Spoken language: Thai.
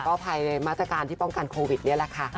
ก็ภายในมาตรการที่ป้องกันโควิดนี่แหละค่ะ